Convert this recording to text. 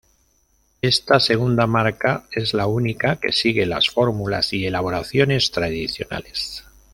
Esta segunda marca es la única que sigue las fórmulas y elaboraciones tradicionales.